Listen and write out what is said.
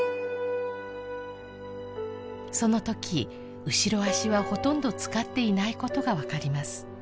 そのとき後ろ足はほとんど使っていないことが分かります